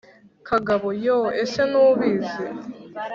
kagabo: yoo! ese ntubizi?